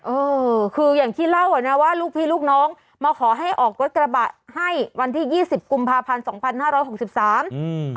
เออคืออย่างที่เล่าเนี่ยว่าลูกพี่ลูกน้องมาขอให้ออกรถกระบะให้วันที่๒๐กุมภาพันธ์๒๕๖๓